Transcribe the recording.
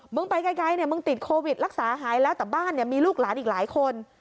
ไปไกลเนี่ยมึงติดโควิดรักษาหายแล้วแต่บ้านเนี่ยมีลูกหลานอีกหลายคน